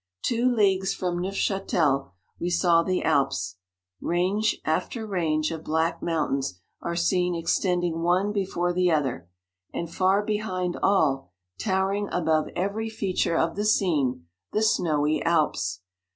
Two leagues from Neuf chatel we saw the Alps: range after range of black mountains are seen ex tending one before the other, and far beliind all, towering above every fea 44 ture of the scene, the snowy Alps.